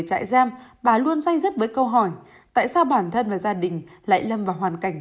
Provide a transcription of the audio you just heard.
trại giam bà luôn dây dứt với câu hỏi tại sao bản thân và gia đình lại lâm vào hoàn cảnh